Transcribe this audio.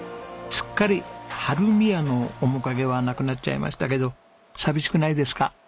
すっかり春見屋の面影はなくなっちゃいましたけど寂しくないですか？